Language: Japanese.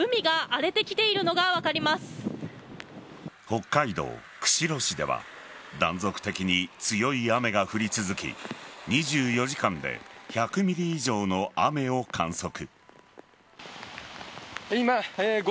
北海道釧路市では断続的に強い雨が降り続き２４時間で１００ｍｍ以上の雨を観測。